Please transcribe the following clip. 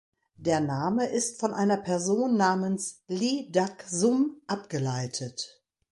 Der Name ist von einer Person namens Li Dak Sum abgeleitet.